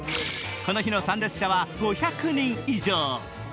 この日の参列者は５００人以上。